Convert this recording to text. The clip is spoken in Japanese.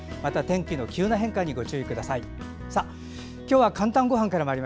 天気の急な変化にご注意ください。